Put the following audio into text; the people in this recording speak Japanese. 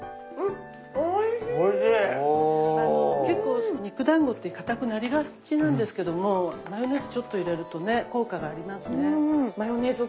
結構肉だんごってかたくなりがちなんですけどもマヨネーズちょっと入れるとね効果がありますね。